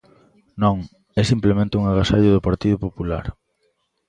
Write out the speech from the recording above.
Non, é simplemente un agasallo do Partido Popular.